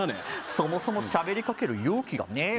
そもそも喋りかける勇気がねえよ